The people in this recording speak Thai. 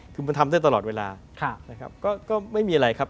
คือมันทำได้ตลอดเวลานะครับก็ไม่มีอะไรครับ